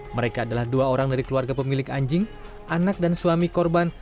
mereka adalah dua orang dari keluarga pemilik anjing anak dan suami korban